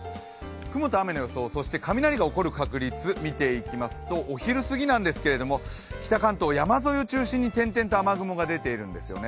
雲と雨の予想そして雷が起こる確率を見ていきますと、お昼過ぎですが、北関東山沿いを中心に点々と雨雲が出ているんですよね。